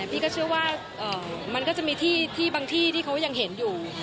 พี่ก็เชื่อว่ามันก็จะมีที่บางที่ที่เขายังเห็นอยู่